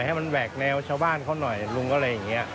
ให้มันแหวกแนวชาวบ้านเขาหน่อยลุงก็อะไรอย่างนี้